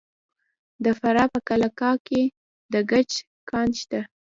د فراه په قلعه کاه کې د ګچ کان شته.